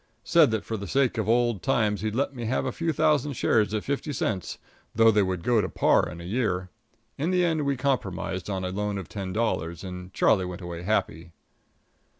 Said that for the sake of old times he'd let me have a few thousand shares at fifty cents, though they would go to par in a year. In the end we compromised on a loan of ten dollars, and Charlie went away happy.